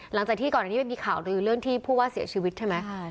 หลังจากที่ก่อนอันนี้มันมีข่าวลือเรื่องที่ผู้ว่าเสียชีวิตใช่ไหม